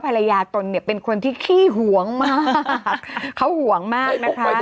ตนเนี่ยเป็นคนที่ขี้หวงมากเขาห่วงมากนะคะ